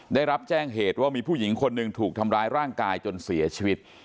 ได้รับแจ้งเหตุว่ามีผู้หญิงคนหนึ่งถูกทำร้ายร่างกายจนเสียชีวิต